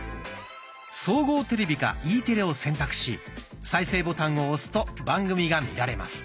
総合テレビかＥテレを選択し再生ボタンを押すと番組が見られます。